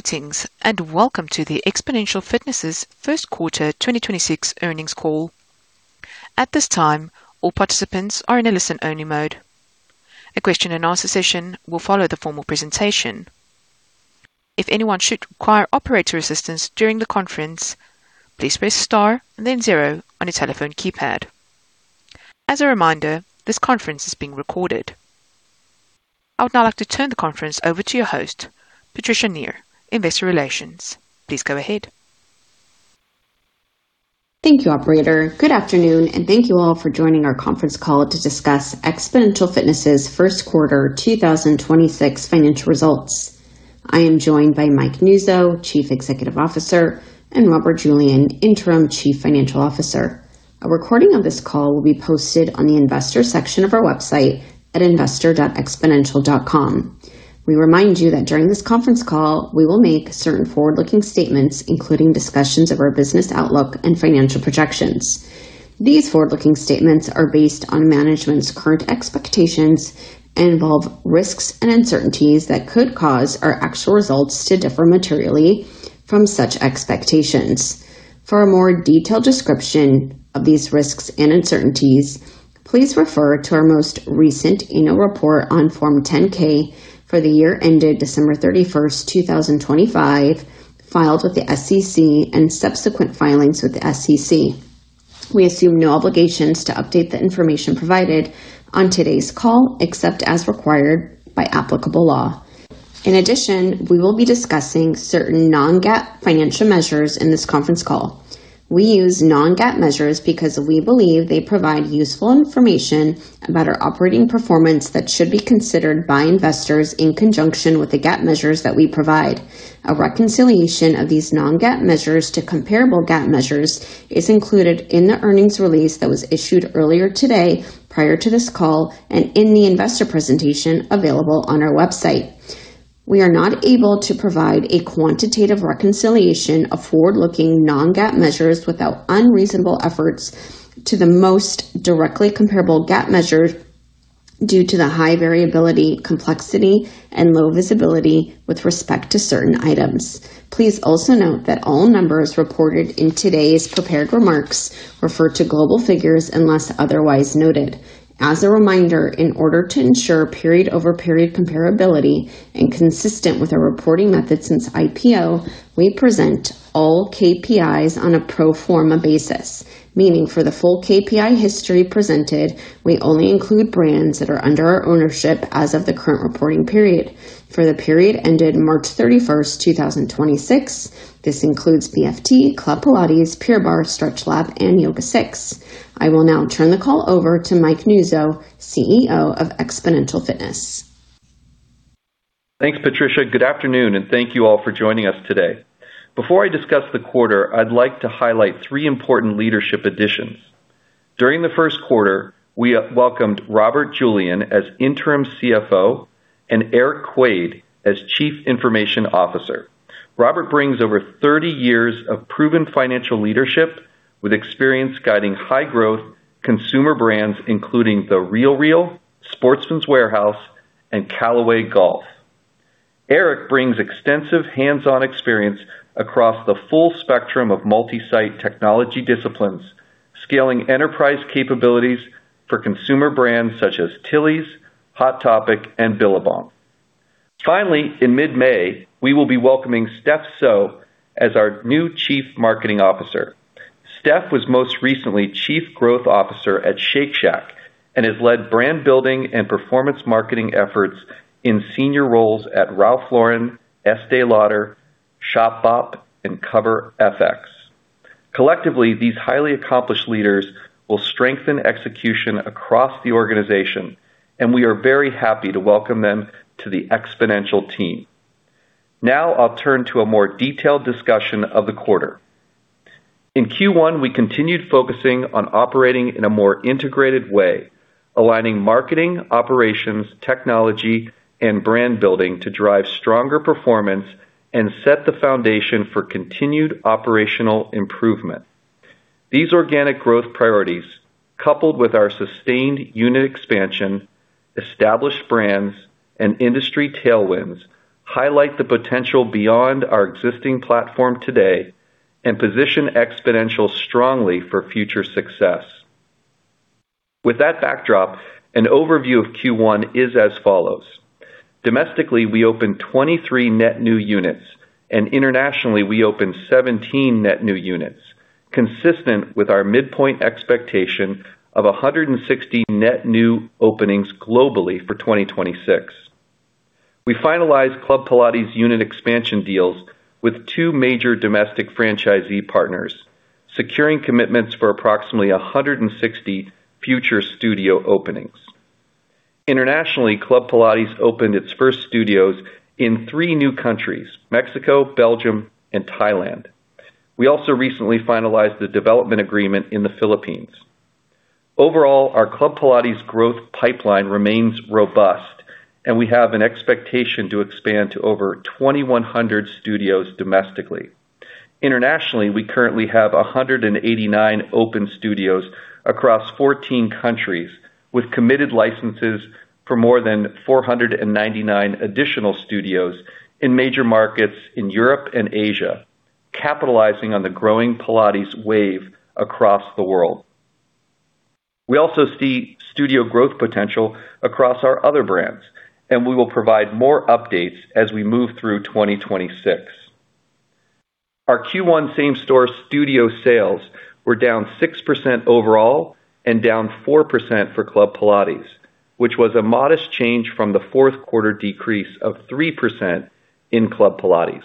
Greetings, and welcome to the Xponential Fitness' first quarter 2026 earnings call. At this time, all participants are in a listen-only mode. A question-and-answer session will follow the formal presentation. If anyone should require operator assistance during the conference, please press star and then zero on your telephone keypad. As a reminder, this conference is being recorded. I would now like to turn the conference over to your host, Patricia Nir, Investor Relations. Please go ahead. Thank you, operator. Good afternoon, and thank you all for joining our conference call to discuss Xponential Fitness' first quarter 2026 financial results. I am joined by Mike Nuzzo, Chief Executive Officer, and Robert Julian, Interim Chief Financial Officer. A recording of this call will be posted on the investor section of our website at investor.xponential.com. We remind you that during this conference call, we will make certain forward-looking statements, including discussions of our business outlook and financial projections. These forward-looking statements are based on management's current expectations and involve risks and uncertainties that could cause our actual results to differ materially from such expectations. For a more detailed description of these risks and uncertainties, please refer to our most recent annual report on Form 10-K for the year ended December 31st, 2025, filed with the SEC, and subsequent filings with the SEC. We assume no obligations to update the information provided on today's call, except as required by applicable law. In addition, we will be discussing certain non-GAAP financial measures in this conference call. We use non-GAAP measures because we believe they provide useful information about our operating performance that should be considered by investors in conjunction with the GAAP measures that we provide. A reconciliation of these non-GAAP measures to comparable GAAP measures is included in the earnings release that was issued earlier today prior to this call and in the investor presentation available on our website. We are not able to provide a quantitative reconciliation of forward-looking non-GAAP measures without unreasonable efforts to the most directly comparable GAAP measure due to the high variability, complexity, and low visibility with respect to certain items. Please also note that all numbers reported in today's prepared remarks refer to global figures unless otherwise noted. As a reminder, in order to ensure period-over-period comparability and consistent with our reporting method since IPO, we present all KPIs on a pro forma basis, meaning for the full KPI history presented, we only include brands that are under our ownership as of the current reporting period. For the period ended March 31st, 2026, this includes BFT, Club Pilates, Pure Barre, StretchLab, and YogaSix. I will now turn the call over to Mike Nuzzo, CEO of Xponential Fitness. Thanks, Patricia. Good afternoon, and thank you all for joining us today. Before I discuss the quarter, I'd like to highlight three important leadership additions. During the first quarter, we welcomed Robert Julian as Interim CFO and Erik Quade as Chief Information Officer. Robert brings over 30 years of proven financial leadership with experience guiding high-growth consumer brands, including The RealReal, Sportsman's Warehouse, and Callaway Golf. Erik brings extensive hands-on experience across the full spectrum of multi-site technology disciplines, scaling enterprise capabilities for consumer brands such as Tilly's, Hot Topic, and Billabong. Finally, in mid-May, we will be welcoming Steph So as our new Chief Marketing Officer. Steph was most recently Chief Growth Officer at Shake Shack and has led brand building and performance marketing efforts in senior roles at Ralph Lauren, Estée Lauder, Shopbop, and Cover FX. Collectively, these highly accomplished leaders will strengthen execution across the organization, and we are very happy to welcome them to the Xponential team. Now I'll turn to a more detailed discussion of the quarter. In Q1, we continued focusing on operating in a more integrated way, aligning marketing, operations, technology, and brand building to drive stronger performance and set the foundation for continued operational improvement. These organic growth priorities, coupled with our sustained unit expansion, established brands, and industry tailwinds, highlight the potential beyond our existing platform today and position Xponential strongly for future success. With that backdrop, an overview of Q1 is as follows: domestically, we opened 23 net new units, and internationally, we opened 17 net new units, consistent with our midpoint expectation of 160 net new openings globally for 2026. We finalized Club Pilates unit expansion deals with two major domestic franchisee partners, securing commitments for approximately 160 future studio openings. Internationally, Club Pilates opened its first studios in three new countries, Mexico, Belgium, and Thailand. We also recently finalized the development agreement in the Philippines. Overall, our Club Pilates growth pipeline remains robust, and we have an expectation to expand to over 2,100 studios domestically. Internationally, we currently have 189 open studios across 14 countries, with committed licenses for more than 499 additional studios in major markets in Europe and Asia, capitalizing on the growing Pilates wave across the world. We also see studio growth potential across our other brands, and we will provide more updates as we move through 2026. Our Q1 same-store studio sales were down 6% overall and down 4% for Club Pilates, which was a modest change from the fourth quarter decrease of 3% in Club Pilates.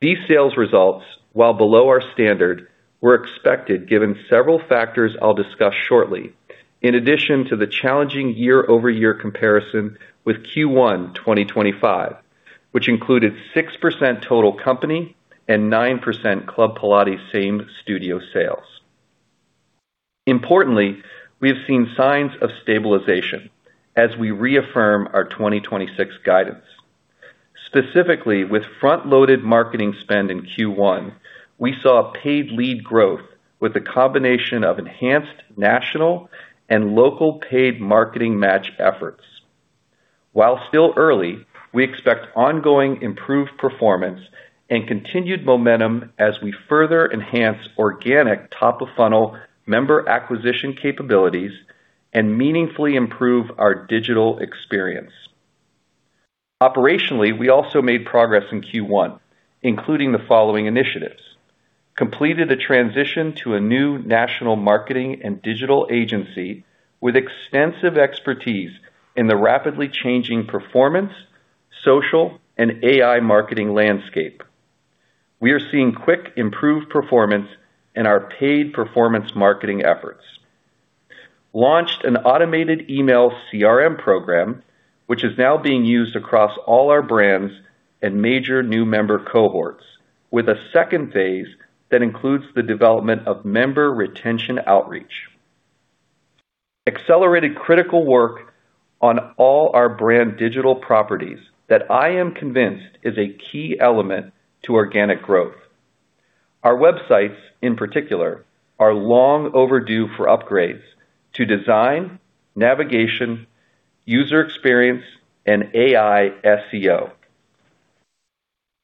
These sales results, while below our standard, were expected given several factors I'll discuss shortly. In addition to the challenging year-over-year comparison with Q1 2025, which included 6% total company and 9% Club Pilates same studio sales. Importantly, we have seen signs of stabilization as we reaffirm our 2026 guidance. Specifically, with front-loaded marketing spend in Q1, we saw paid lead growth with a combination of enhanced national and local paid marketing match efforts. While still early, we expect ongoing improved performance and continued momentum as we further enhance organic top-of-funnel member acquisition capabilities and meaningfully improve our digital experience. Operationally, we also made progress in Q1, including the following initiatives. Completed a transition to a new national marketing and digital agency with extensive expertise in the rapidly changing performance, social, and AI marketing landscape. We are seeing quick improved performance in our paid performance marketing efforts. Launched an automated email CRM program, which is now being used across all our brands and major new member cohorts, with a second phase that includes the development of member retention outreach. Accelerated critical work on all our brand digital properties that I am convinced is a key element to organic growth. Our websites, in particular, are long overdue for upgrades to design, navigation, user experience, and AI SEO.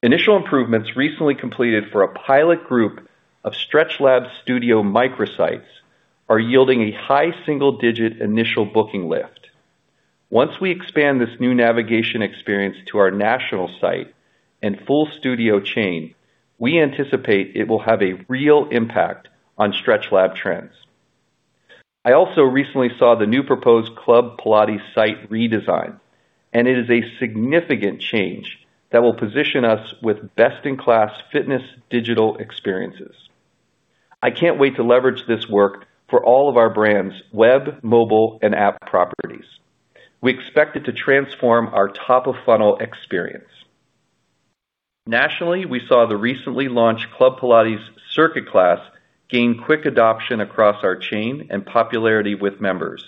Initial improvements recently completed for a pilot group of StretchLab studio microsites are yielding a high single-digit initial booking lift. Once we expand this new navigation experience to our national site and full studio chain, we anticipate it will have a real impact on StretchLab trends. I also recently saw the new proposed Club Pilates site redesign, and it is a significant change that will position us with best-in-class fitness digital experiences. I can't wait to leverage this work for all of our brands' web, mobile, and app properties. We expect it to transform our top-of-funnel experience. Nationally, we saw the recently launched Club Pilates Circuit class gain quick adoption across our chain and popularity with members,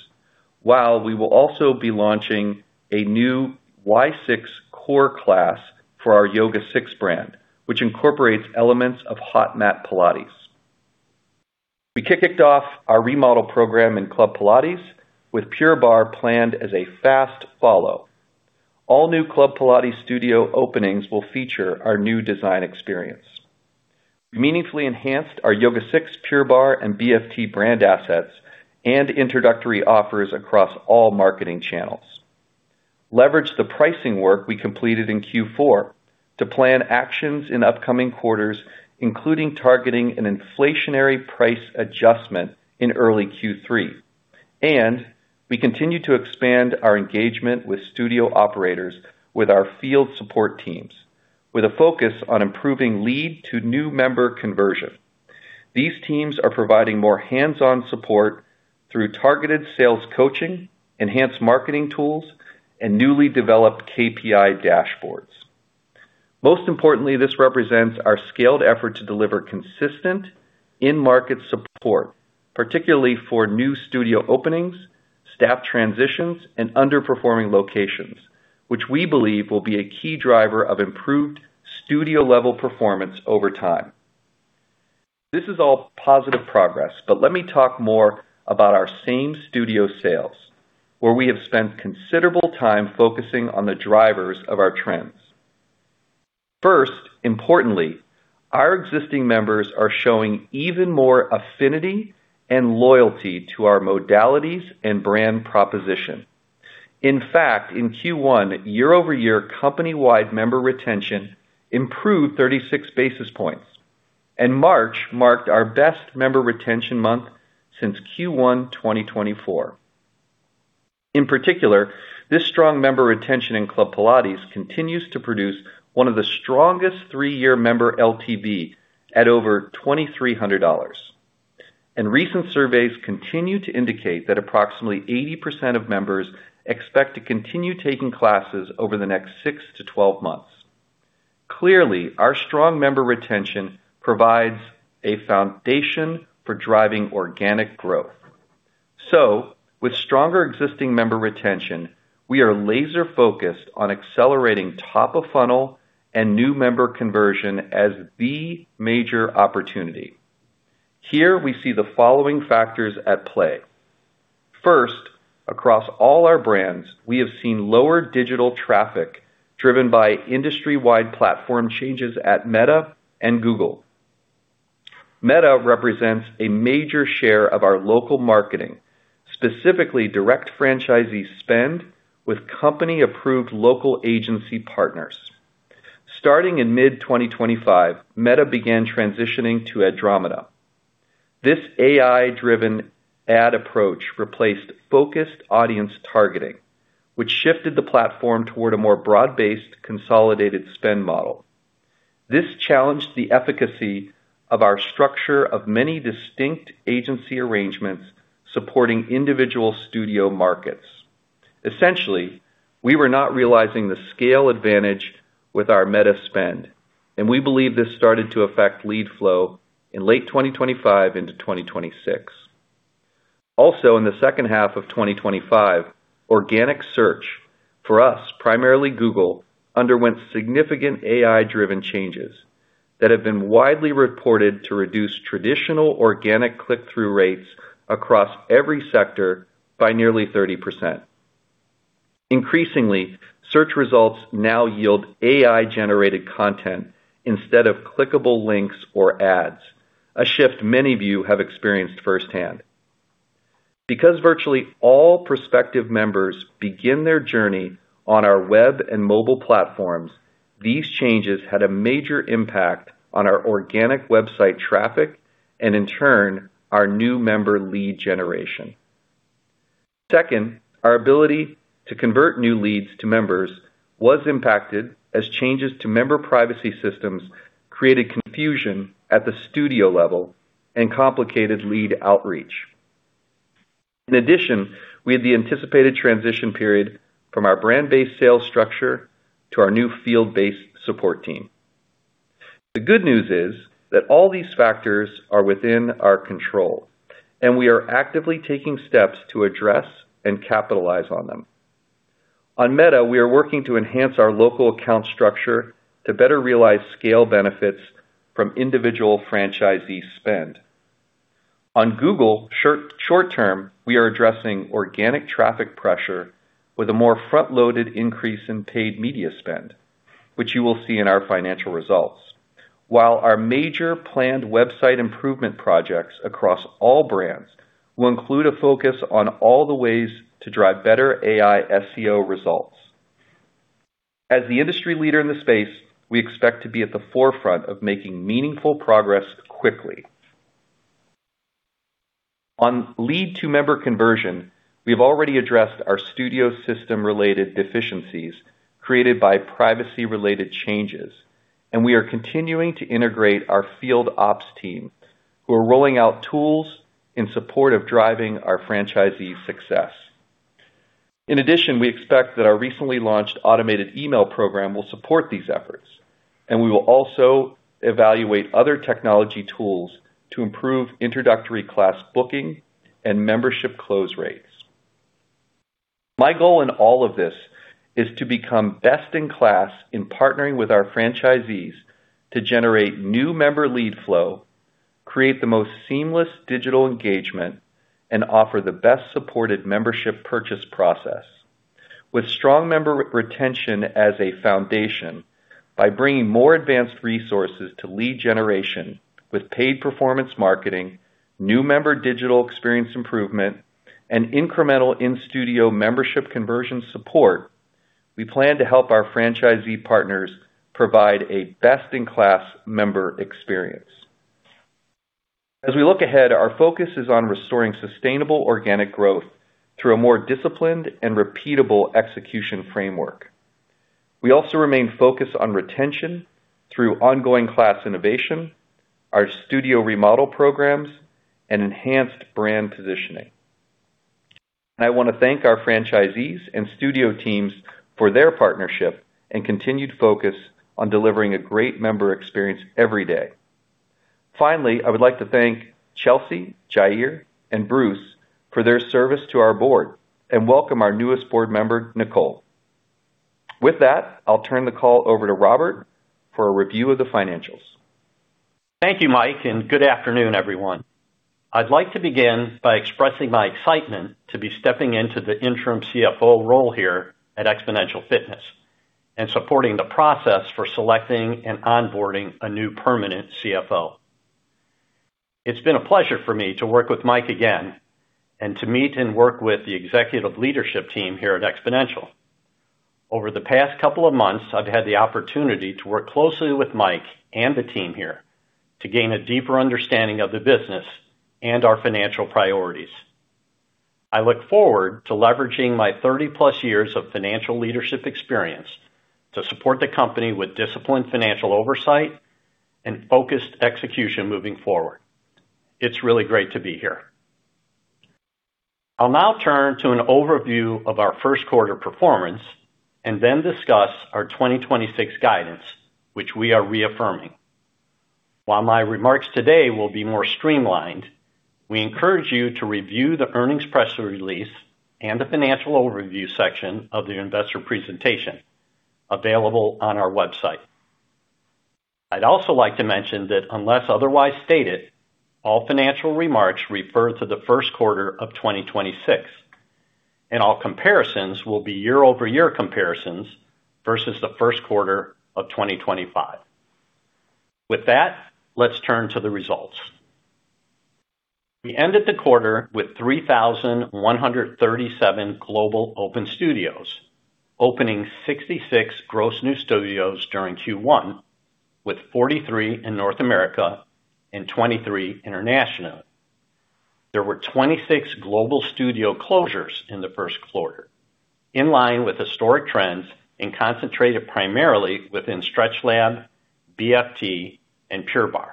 while we will also be launching a new Y6 Core class for our YogaSix brand, which incorporates elements of hot mat Pilates. We kicked off our remodel program in Club Pilates with Pure Barre planned as a fast follow. All new Club Pilates studio openings will feature our new design experience. We meaningfully enhanced our YogaSix, Pure Barre, and BFT brand assets and introductory offers across all marketing channels. Leveraged the pricing work we completed in Q4 to plan actions in upcoming quarters, including targeting an inflationary price adjustment in early Q3. We continue to expand our engagement with studio operators with our field support teams, with a focus on improving lead to new member conversion. These teams are providing more hands-on support through targeted sales coaching, enhanced marketing tools, and newly developed KPI dashboards. Most importantly, this represents our scaled effort to deliver consistent in-market support, particularly for new studio openings, staff transitions, and underperforming locations, which we believe will be a key driver of improved studio-level performance over time. This is all positive progress, let me talk more about our same studio sales, where we have spent considerable time focusing on the drivers of our trends. First, importantly, our existing members are showing even more affinity and loyalty to our modalities and brand proposition. In fact, in Q1, year-over-year company-wide member retention improved 36 basis points, and March marked our best member retention month since Q1 2024. In particular, this strong member retention in Club Pilates continues to produce one of the strongest three-year member LTV at over $2,300. Recent surveys continue to indicate that approximately 80% of members expect to continue taking classes over the next six to 12 months. Clearly, our strong member retention provides a foundation for driving organic growth. With stronger existing member retention, we are laser-focused on accelerating top of funnel and new member conversion as the major opportunity. Here we see the following factors at play. Across all our brands, we have seen lower digital traffic driven by industry-wide platform changes at Meta and Google. Meta represents a major share of our local marketing, specifically direct franchisee spend with company-approved local agency partners. Starting in mid-2025, Meta began transitioning to Andromeda. This AI-driven ad approach replaced focused audience targeting, which shifted the platform toward a more broad-based consolidated spend model. This challenged the efficacy of our structure of many distinct agency arrangements supporting individual studio markets. Essentially, we were not realizing the scale advantage with our Meta spend, and we believe this started to affect lead flow in late 2025 into 2026. In the second half of 2025, organic search, for us, primarily Google, underwent significant AI-driven changes that have been widely reported to reduce traditional organic click-through rates across every sector by nearly 30%. Increasingly, search results now yield AI-generated content instead of clickable links or ads, a shift many of you have experienced firsthand. Because virtually all prospective members begin their journey on our web and mobile platforms, these changes had a major impact on our organic website traffic and in turn, our new member lead generation. Second, our ability to convert new leads to members was impacted as changes to member privacy systems created confusion at the studio level and complicated lead outreach. In addition, we had the anticipated transition period from our brand-based sales structure to our new field-based support team. The good news is that all these factors are within our control, and we are actively taking steps to address and capitalize on them. On Meta, we are working to enhance our local account structure to better realize scale benefits from individual franchisee spend. On Google, short-term, we are addressing organic traffic pressure with a more front-loaded increase in paid media spend, which you will see in our financial results. While our major planned website improvement projects across all brands will include a focus on all the ways to drive better AI SEO results. As the industry leader in the space, we expect to be at the forefront of making meaningful progress quickly. On lead-to-member conversion, we've already addressed our studio system-related deficiencies created by privacy-related changes, and we are continuing to integrate our field ops teams who are rolling out tools in support of driving our franchisee success. In addition, we expect that our recently launched automated email program will support these efforts, and we will also evaluate other technology tools to improve introductory class booking and membership close rates. My goal in all of this is to become best in class in partnering with our franchisees to generate new member lead flow, create the most seamless digital engagement, and offer the best-supported membership purchase process. With strong member retention as a foundation, by bringing more advanced resources to lead generation with paid performance marketing, new member digital experience improvement, and incremental in-studio membership conversion support, we plan to help our franchisee partners provide a best-in-class member experience. As we look ahead, our focus is on restoring sustainable organic growth through a more disciplined and repeatable execution framework. We also remain focused on retention through ongoing class innovation, our studio remodel programs, and enhanced brand positioning. I wanna thank our franchisees and studio teams for their partnership and continued focus on delivering a great member experience every day. Finally, I would like to thank Chelsea, Jair, and Bruce for their service to our board and welcome our newest board member, Nicole. With that, I'll turn the call over to Robert for a review of the financials. Thank you, Mike, and good afternoon, everyone. I'd like to begin by expressing my excitement to be stepping into the interim CFO role here at Xponential Fitness and supporting the process for selecting and onboarding a new permanent CFO. It's been a pleasure for me to work with Mike again and to meet and work with the executive leadership team here at Xponential. Over the past couple of months, I've had the opportunity to work closely with Mike and the team here to gain a deeper understanding of the business and our financial priorities. I look forward to leveraging my 30+ years of financial leadership experience to support the company with disciplined financial oversight and focused execution moving forward. It's really great to be here. I'll now turn to an overview of our first quarter performance and then discuss our 2026 guidance, which we are reaffirming. While my remarks today will be more streamlined, we encourage you to review the earnings press release and the financial overview section of the investor presentation available on our website. I'd also like to mention that unless otherwise stated, all financial remarks refer to the first quarter of 2026, and all comparisons will be year-over-year comparisons versus the first quarter of 2025. With that, let's turn to the results. We ended the quarter with 3,137 global open studios, opening 66 gross new studios during Q1, with 43 in North America and 23 internationally. There were 26 global studio closures in the first quarter, in line with historic trends and concentrated primarily within StretchLab, BFT, and Pure Barre.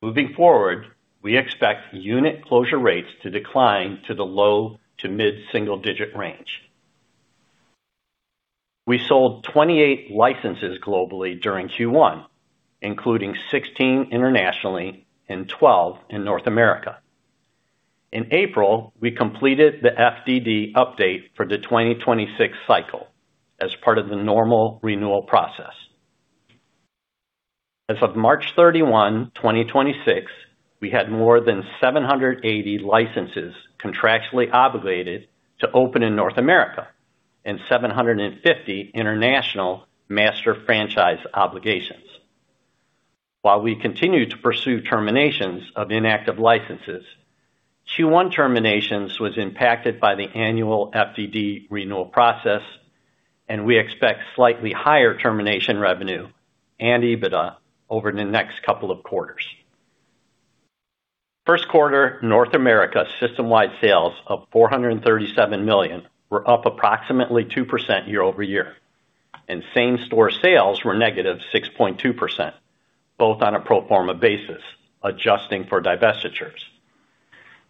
Moving forward, we expect unit closure rates to decline to the low to mid-single-digit range. We sold 28 licenses globally during Q1, including 16 internationally and 12 in North America. In April, we completed the FDD update for the 2026 cycle as part of the normal renewal process. As of March 31, 2026, we had more than 780 licenses contractually obligated to open in North America and 750 international master franchise obligations. While we continue to pursue terminations of inactive licenses, Q1 terminations was impacted by the annual FDD renewal process, and we expect slightly higher termination revenue and EBITDA over the next couple of quarters. First quarter North America system-wide sales of $437 million were up approximately 2% year-over-year, and same-store sales were -6.2%, both on a pro forma basis, adjusting for divestitures.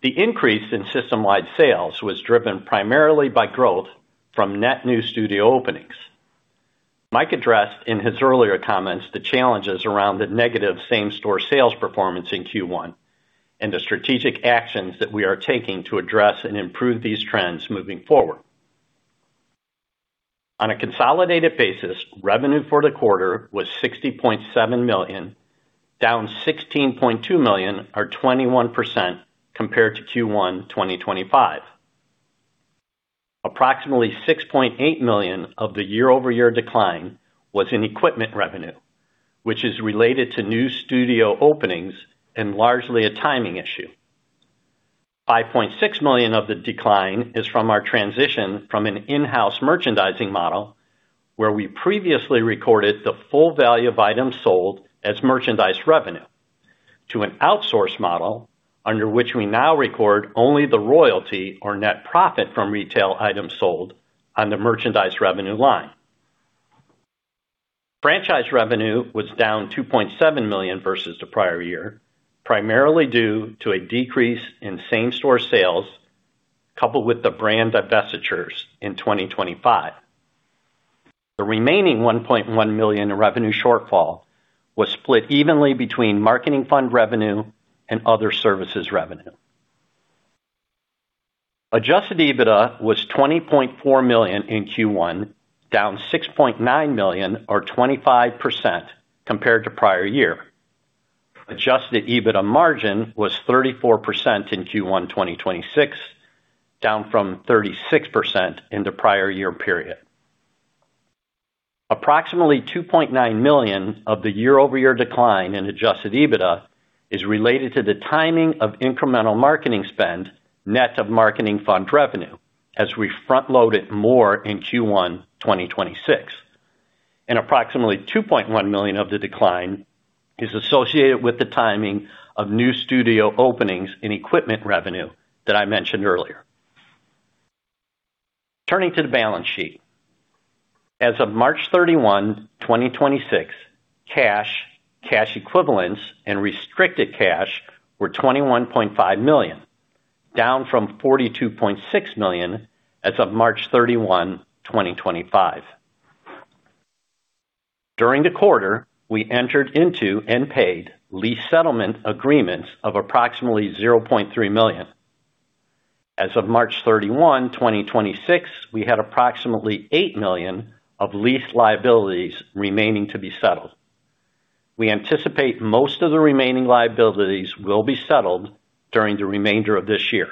The increase in system-wide sales was driven primarily by growth from net new studio openings. Mike addressed in his earlier comments the challenges around the negative same-store sales performance in Q1 and the strategic actions that we are taking to address and improve these trends moving forward. On a consolidated basis, revenue for the quarter was $60.7 million, down $16.2 million, or 21% compared to Q1 2025. Approximately $6.8 million of the year-over-year decline was in equipment revenue, which is related to new studio openings and largely a timing issue. $5.6 million of the decline is from our transition from an in-house merchandising model, where we previously recorded the full value of items sold as merchandise revenue to an outsource model under which we now record only the royalty or net profit from retail items sold on the merchandise revenue line. Franchise revenue was down $2.7 million versus the prior year, primarily due to a decrease in same-store sales coupled with the brand divestitures in 2025. The remaining $1.1 million in revenue shortfall was split evenly between marketing fund revenue and other services revenue. Adjusted EBITDA was $20.4 million in Q1, down $6.9 million, or 25% compared to prior year. Adjusted EBITDA margin was 34% in Q1 2026, down from 36% in the prior year period. Approximately $2.9 million of the year-over-year decline in Adjusted EBITDA is related to the timing of incremental marketing spend, net of marketing fund revenue as we front-loaded more in Q1 2026. Approximately $2.1 million of the decline is associated with the timing of new studio openings in equipment revenue that I mentioned earlier. Turning to the balance sheet. As of March 31, 2026, cash, cash equivalents, and restricted cash were $21.5 million, down from $42.6 million as of March 31, 2025. During the quarter, we entered into and paid lease settlement agreements of approximately $0.3 million. As of March 31, 2026, we had approximately $8 million of lease liabilities remaining to be settled. We anticipate most of the remaining liabilities will be settled during the remainder of this year.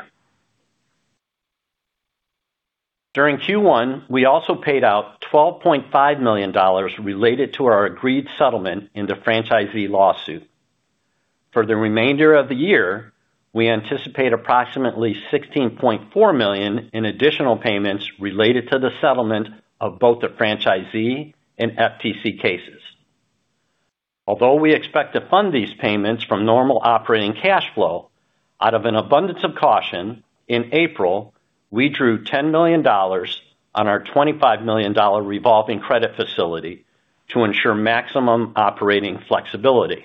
During Q1, we also paid out $12.5 million related to our agreed settlement in the franchisee lawsuit. For the remainder of the year, we anticipate approximately $16.4 million in additional payments related to the settlement of both the franchisee and FTC cases. Although we expect to fund these payments from normal operating cash flow, out of an abundance of caution, in April, we drew $10 million on our $25 million revolving credit facility to ensure maximum operating flexibility.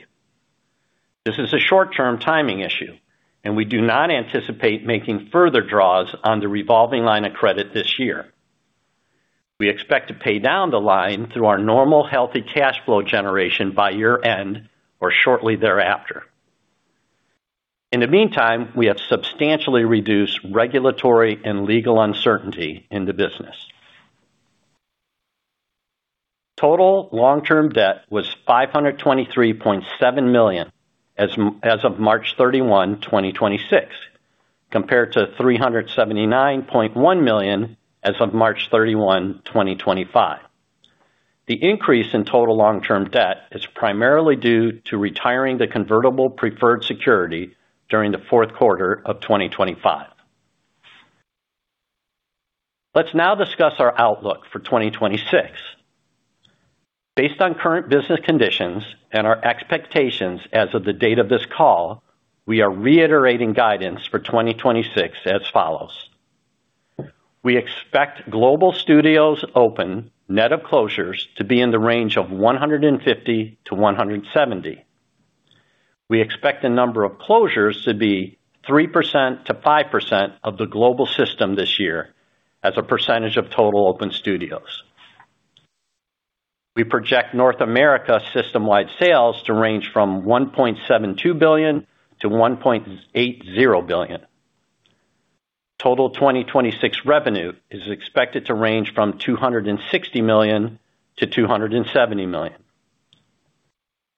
This is a short-term timing issue. We do not anticipate making further draws on the revolving line of credit this year. We expect to pay down the line through our normal healthy cash flow generation by year-end or shortly thereafter. In the meantime, we have substantially reduced regulatory and legal uncertainty in the business. Total long-term debt was $523.7 million as of March 31, 2026, compared to $379.1 million as of March 31, 2025. The increase in total long-term debt is primarily due to retiring the convertible preferred security during the fourth quarter of 2025. Let's now discuss our outlook for 2026. Based on current business conditions and our expectations as of the date of this call, we are reiterating guidance for 2026 as follows: We expect global studios open, net of closures, to be in the range of 150-170. We expect the number of closures to be 3%-5% of the global system this year as a percentage of total open studios. We project North America system-wide sales to range from $1.72 billion-$1.80 billion. Total 2026 revenue is expected to range from $260 million-$270 million.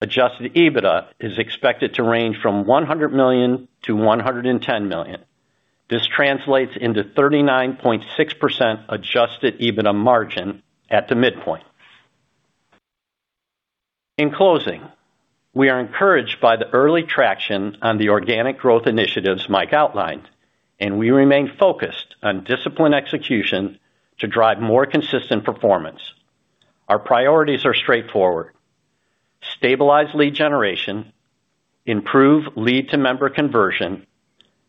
Adjusted EBITDA is expected to range from $100 million-$110 million. This translates into 39.6% Adjusted EBITDA margin at the midpoint. In closing, we are encouraged by the early traction on the organic growth initiatives Mike outlined, and we remain focused on disciplined execution to drive more consistent performance. Our priorities are straightforward: stabilize lead generation, improve lead to member conversion,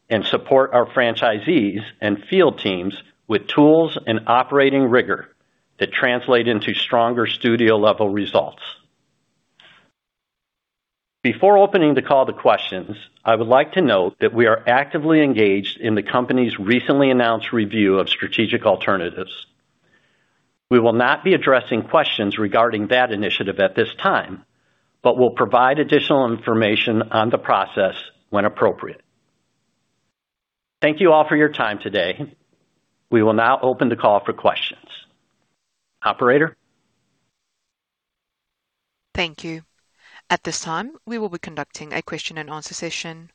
and support our franchisees and field teams with tools and operating rigor that translate into stronger studio-level results. Before opening the call to questions, I would like to note that we are actively engaged in the company's recently announced review of strategic alternatives. We will not be addressing questions regarding that initiative at this time, but we'll provide additional information on the process when appropriate. Thank you all for your time today. We will now open the call for questions. Operator? Thank you. At this time, we will be conducting a question-and-answer session.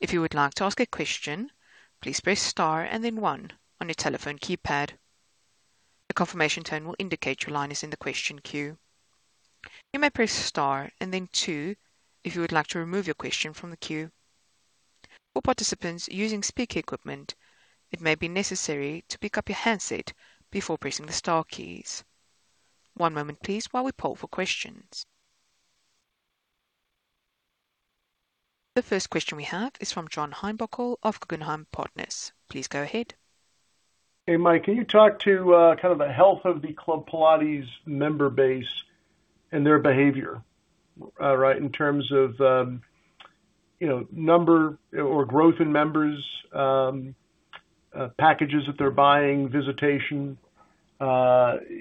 If you would like to ask a question, please press star and then one on your telephone keypad. A confirmation tone will indicate your line is in the question queue. You may press star and then two if you would like to remove your question from the queue. For participants using speaker equipment, it may be necessary to pick up your handset before pressing the star keys. One moment please while we poll for questions. The first question we have is from John Heinbockel of Guggenheim Partners. Please go ahead. Hey, Mike, can you talk to, kind of the health of the Club Pilates member base and their behavior, right, in terms of, you know, number or growth in members, packages that they're buying, visitation? You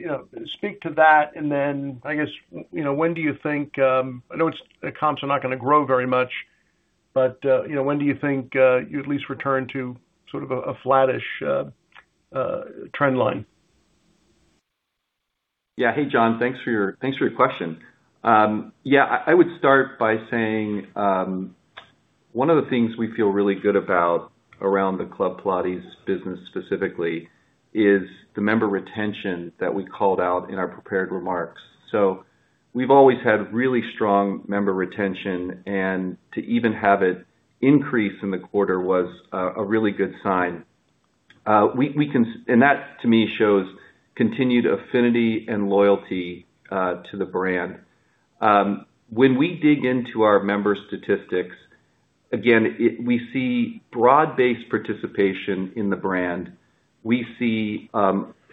know, speak to that. I guess, you know, when do you think, I know the comps are not gonna grow very much, but, you know, when do you think, you'd at least return to sort of a flattish trend line? Yeah. Hey, John. Thanks for your question. Yeah, I would start by saying one of the things we feel really good about around the Club Pilates business specifically is the member retention that we called out in our prepared remarks. We've always had really strong member retention, and to even have it increase in the quarter was a really good sign. That, to me, shows continued affinity and loyalty to the brand. When we dig into our member statistics, again, we see broad-based participation in the brand. We see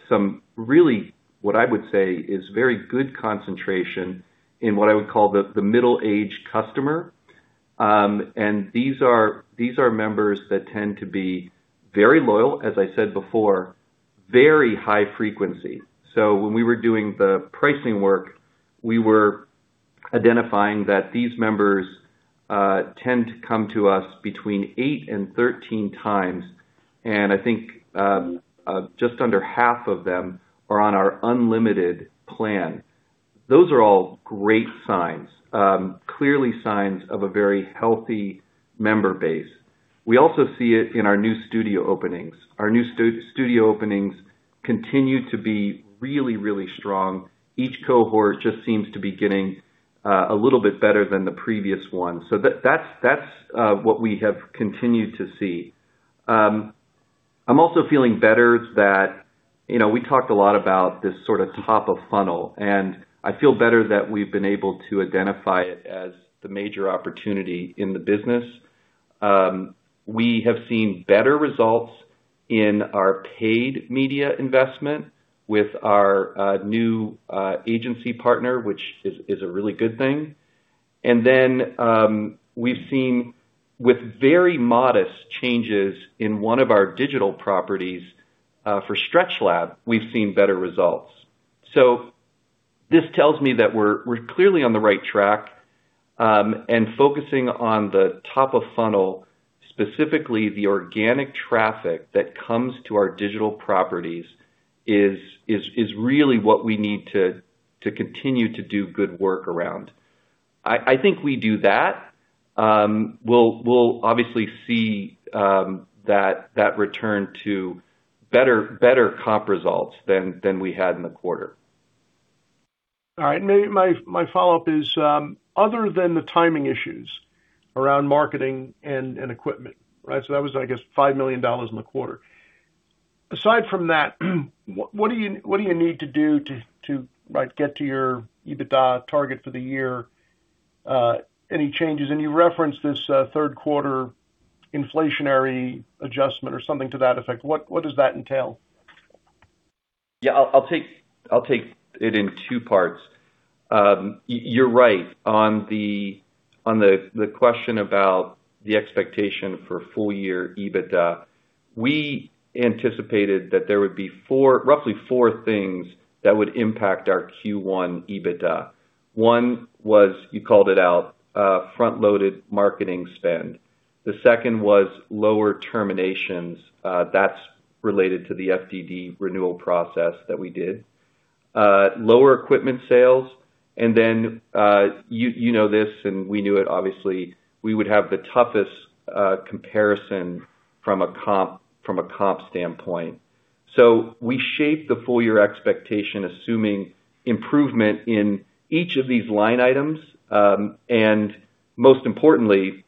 some really, what I would say, is very good concentration in what I would call the middle-aged customer. These are members that tend to be very loyal, as I said before, very high frequency. When we were doing the pricing work, we were identifying that these members tend to come to us between eight and 13 times, and I think just under half of them are on our unlimited plan. Those are all great signs, clearly signs of a very healthy member base. We also see it in our new studio openings. Our new studio openings continue to be really, really strong. Each cohort just seems to be getting a little bit better than the previous one. That's what we have continued to see. I'm also feeling better that you know, we talked a lot about this sort of top of funnel, and I feel better that we've been able to identify it as the major opportunity in the business. We have seen better results in our paid media investment with our new agency partner, which is a really good thing. We've seen with very modest changes in one of our digital properties for StretchLab, we've seen better results. This tells me that we're clearly on the right track and focusing on the top of funnel, specifically the organic traffic that comes to our digital properties is really what we need to continue to do good work around. I think we do that, we'll obviously see that return to better comp results than we had in the quarter. All right. Maybe my follow-up is, other than the timing issues around marketing and equipment, right? That was, I guess, $5 million in the quarter. Aside from that, what do you need to do to, like, get to your EBITDA target for the year? Any changes? You referenced this third quarter inflationary adjustment or something to that effect. What does that entail? Yeah, I'll take it in two parts. You're right on the question about the expectation for full year EBITDA. We anticipated that there would be roughly four things that would impact our Q1 EBITDA. One was, you called it out, front-loaded marketing spend. The second was lower terminations. That's related to the FDD renewal process that we did. Lower equipment sales. Then, you know this, and we knew it obviously, we would have the toughest comparison from a comp standpoint. We shaped the full-year expectation, assuming improvement in each of these line items, and most importantly,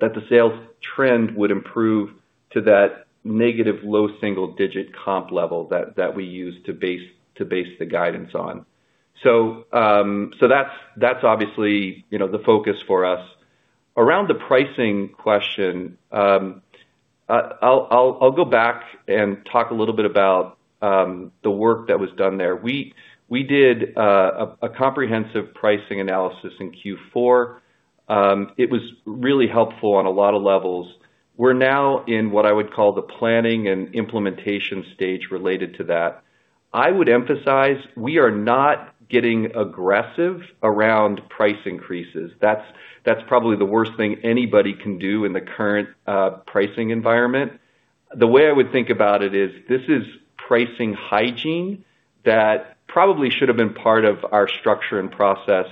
that the sales trend would improve to that negative low single-digit comp level that we use to base the guidance on. That's obviously, you know, the focus for us. Around the pricing question, I'll go back and talk a little bit about the work that was done there. We did a comprehensive pricing analysis in Q4. It was really helpful on a lot of levels. We're now in what I would call the planning and implementation stage related to that. I would emphasize we are not getting aggressive around price increases. That's probably the worst thing anybody can do in the current pricing environment. The way I would think about it is this is pricing hygiene that probably should have been part of our structure and process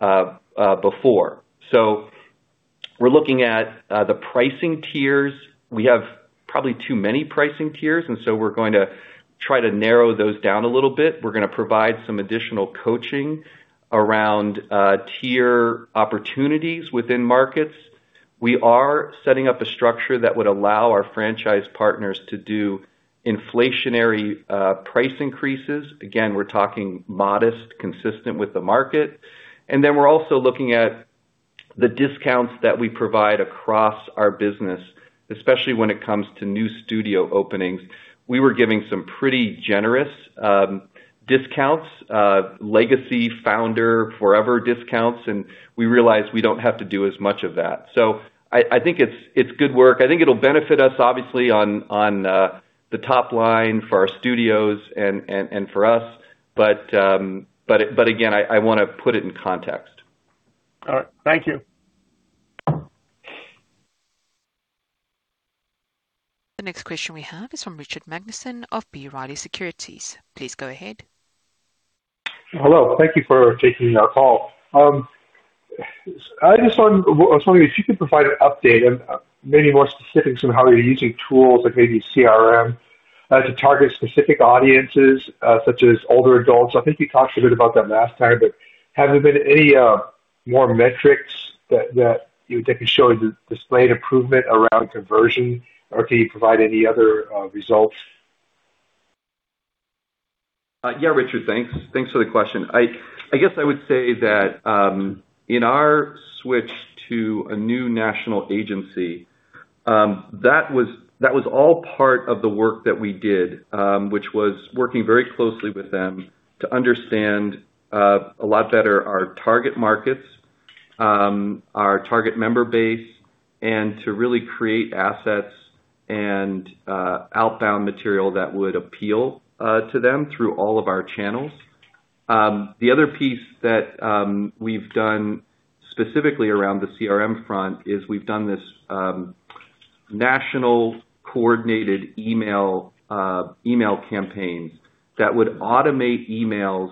before. We're looking at the pricing tiers. We have probably too many pricing tiers. We're going to try to narrow those down a little bit. We're gonna provide some additional coaching around tier opportunities within markets. We are setting up a structure that would allow our franchise partners to do inflationary price increases. Again, we're talking modest, consistent with the market. We're also looking at the discounts that we provide across our business, especially when it comes to new studio openings. We were giving some pretty generous discounts, legacy founder forever discounts. We realized we don't have to do as much of that. I think it's good work. I think it'll benefit us obviously on the top line for our studios and for us. But again, I wanna put it in context. All right. Thank you. The next question we have is from Richard Magnusen of B. Riley Securities. Please go ahead. Hello. Thank you for taking our call. I was wondering if you could provide an update and more specifics on how you're using tools like CRM to target specific audiences, such as older adults? I think you talked a bit about that last time, have there been any more metrics that you think have shown displayed improvement around conversion? Can you provide any other results? Yeah, Richard. Thanks. Thanks for the question. I guess I would say that, in our switch to a new national agency, that was, that was all part of the work that we did, which was working very closely with them to understand a lot better our target markets, our target member base, and to really create assets and outbound material that would appeal to them through all of our channels. The other piece that we've done specifically around the CRM front is we've done this national coordinated email campaigns that would automate emails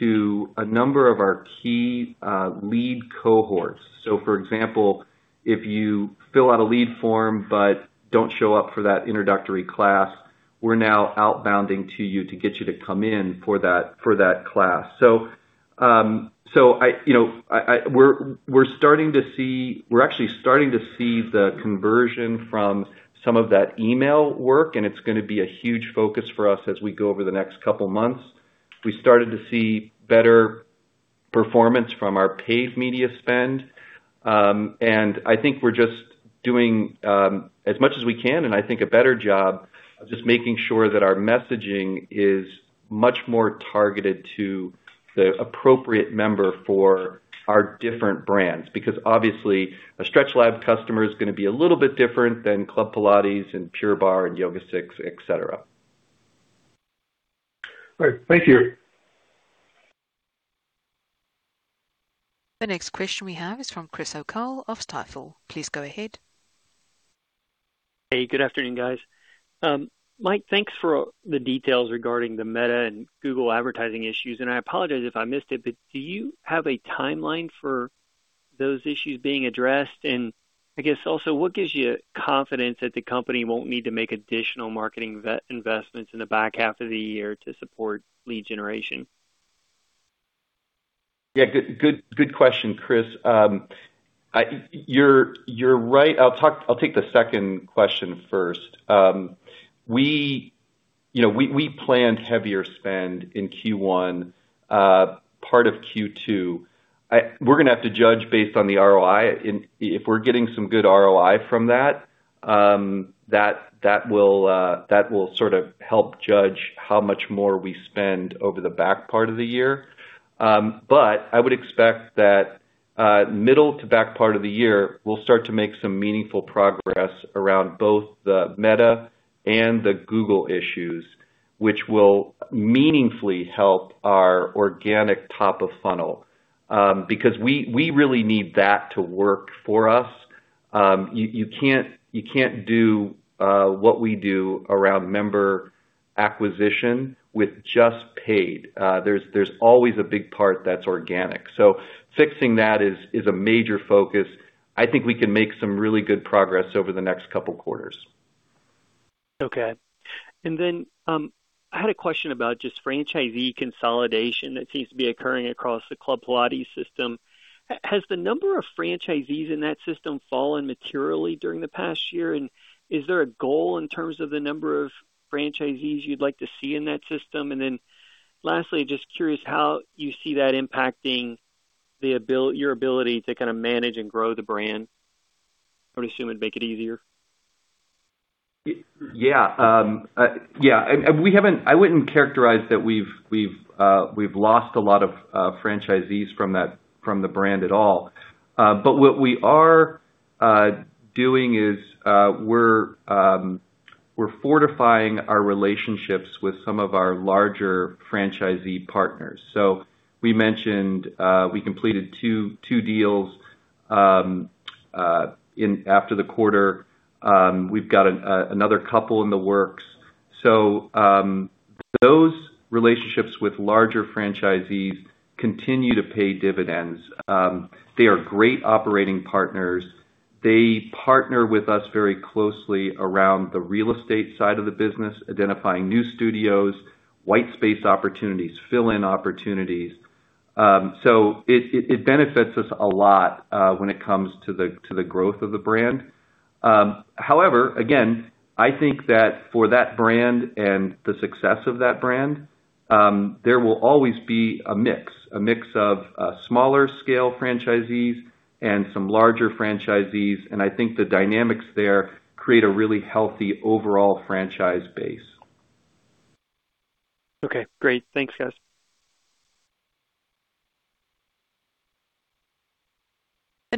to a number of our key lead cohorts. For example, if you fill out a lead form but don't show up for that introductory class, we're now outbounding to you to get you to come in for that class. So, you know, we're actually starting to see the conversion from some of that email work, and it's gonna be a huge focus for us as we go over the next couple months. We started to see better performance from our paid media spend. And I think we're just doing as much as we can, and I think a better job of just making sure that our messaging is much more targeted to the appropriate member for our different brands. Because obviously, a StretchLab customer is gonna be a little bit different than Club Pilates and Pure Barre and YogaSix, et cetera. Great. Thank you. The next question we have is from Chris O'Cull of Stifel. Please go ahead. Hey, good afternoon, guys. Mike, thanks for the details regarding the Meta and Google advertising issues. I apologize if I missed it, but do you have a timeline for those issues being addressed? I guess also, what gives you confidence that the company won't need to make additional marketing investments in the back half of the year to support lead generation? Yeah. Good, good question, Chris. You're right. I'll take the second question first. We, you know, we planned heavier spend in Q1, part of Q2. We're gonna have to judge based on the ROI if we're getting some good ROI from that will sort of help judge how much more we spend over the back part of the year. I would expect that middle to back part of the year, we'll start to make some meaningful progress around both the Meta and the Google issues, which will meaningfully help our organic top of funnel. We really need that to work for us. You can't do what we do around member acquisition with just paid. There's always a big part that's organic. Fixing that is a major focus. I think we can make some really good progress over the next couple quarters. Okay. Then, I had a question about just franchisee consolidation that seems to be occurring across the Club Pilates system. Has the number of franchisees in that system fallen materially during the past year? Is there a goal in terms of the number of franchisees you'd like to see in that system? Lastly, just curious how you see that impacting your ability to kinda manage and grow the brand. I would assume it'd make it easier. Yeah. Yeah. We haven't. I wouldn't characterize that we've lost a lot of franchisees from that, from the brand at all. What we are doing is we're fortifying our relationships with some of our larger franchisee partners. We mentioned we completed two deals after the quarter. We've got another couple in the works. Those relationships with larger franchisees continue to pay dividends. They are great operating partners. They partner with us very closely around the real estate side of the business, identifying new studios, white space opportunities, fill-in opportunities. It benefits us a lot when it comes to the growth of the brand. Again, I think that for that brand and the success of that brand, there will always be a mix of smaller scale franchisees and some larger franchisees, and I think the dynamics there create a really healthy overall franchise base. Okay, great. Thanks, guys.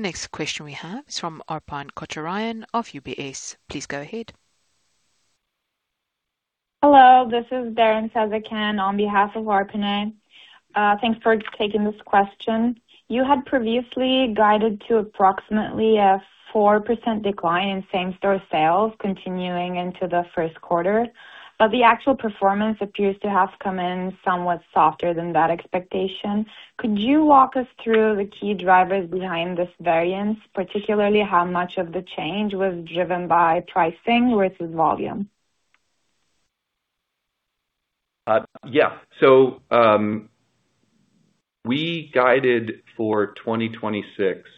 The next question we have is from Arpine Kocharyan of UBS. Please go ahead. Hello, this is Derin Sezercan on behalf of Arpine. Thanks for taking this question. You had previously guided to approximately a 4% decline in same-store sales continuing into the first quarter. The actual performance appears to have come in somewhat softer than that expectation. Could you walk us through the key drivers behind this variance, particularly how much of the change was driven by pricing versus volume? We guided for 2026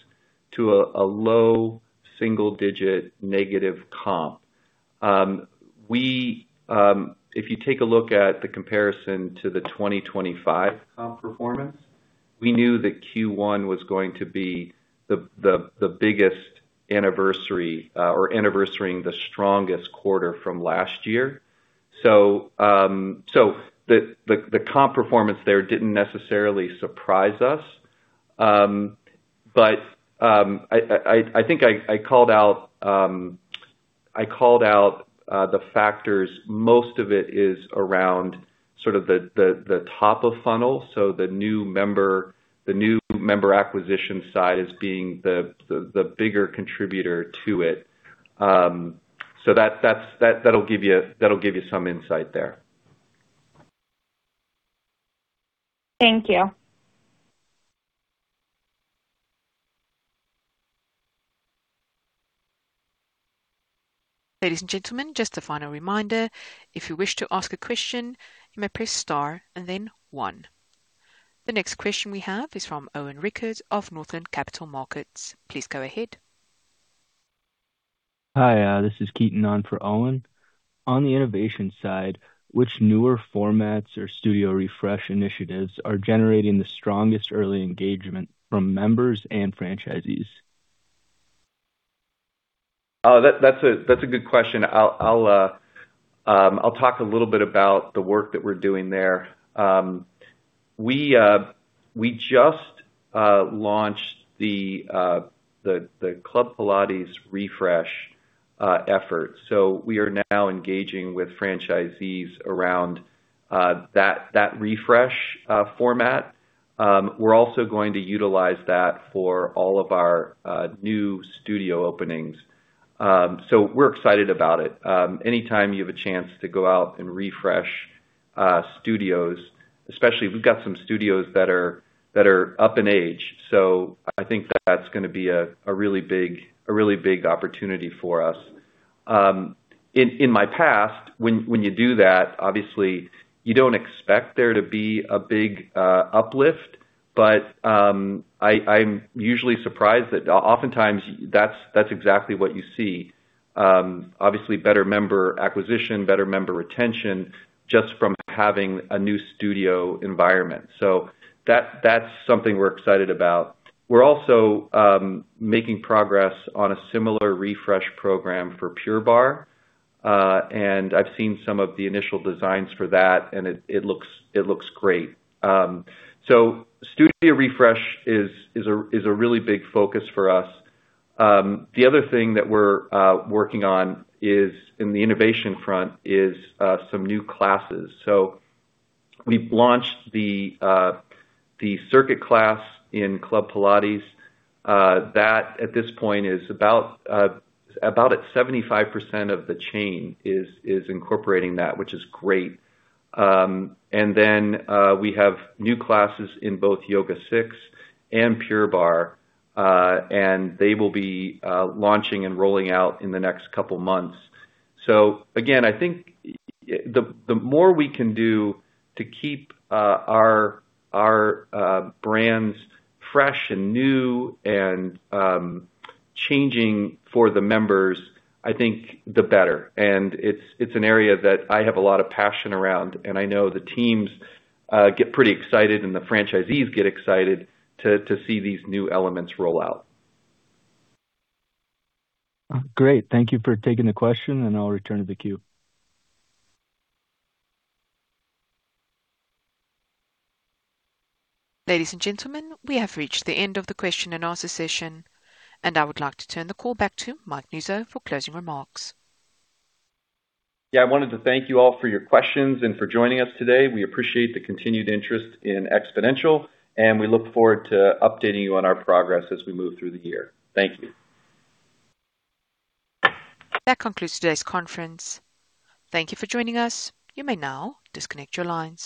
to a low single-digit negative comp. We, if you take a look at the comparison to the 2025 comp performance, we knew that Q1 was going to be the biggest anniversary or anniversary-ing the strongest quarter from last year. The comp performance there didn't necessarily surprise us. I think I called out the factors. Most of it is around sort of the top of funnel, so the new member acquisition side as being the bigger contributor to it. That's that'll give you some insight there. Thank you. Ladies and gentlemen, just a final reminder, if you wish to ask a question, you may press star and then one. The next question we have is from Owen Rickert of Northland Capital Markets. Please go ahead. Hi, this is Keaton on for Owen. On the innovation side, which newer formats or studio refresh initiatives are generating the strongest early engagement from members and franchisees? That's a good question. I'll talk a little bit about the work that we're doing there. We just launched the Club Pilates refresh effort. We are now engaging with franchisees around that refresh format. We're also going to utilize that for all of our new studio openings. We're excited about it. Anytime you have a chance to go out and refresh studios especially, we've got some studios that are up in age, I think that's gonna be a really big opportunity for us. In my past, when you do that, obviously you don't expect there to be a big uplift, but I'm usually surprised that oftentimes that's exactly what you see. Obviously better member acquisition, better member retention, just from having a new studio environment. That, that's something we're excited about. We're also making progress on a similar refresh program for Pure Barre, and I've seen some of the initial designs for that, and it looks great. Studio refresh is a really big focus for us. The other thing that we're working on is in the innovation front is some new classes. We've launched the circuit class in Club Pilates. That at this point is about at 75% of the chain is incorporating that, which is great. We have new classes in both YogaSix and Pure Barre, and they will be launching and rolling out in the next couple months. Again, I think the more we can do to keep our brands fresh and new and changing for the members, I think the better. It's an area that I have a lot of passion around, and I know the teams get pretty excited and the franchisees get excited to see these new elements roll out. Great. Thank you for taking the question, and I'll return to the queue. Ladies and gentlemen, we have reached the end of the question-and-answer session. I would like to turn the call back to Mike Nuzzo for closing remarks. Yeah. I wanted to thank you all for your questions and for joining us today. We appreciate the continued interest in Xponential, and we look forward to updating you on our progress as we move through the year. Thank you. That concludes today's conference. Thank you for joining us. You may now disconnect your lines.